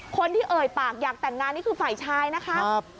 คนที่เอ่ยปากอยากแต่งงานนี่คือฝ่ายชายนะคะ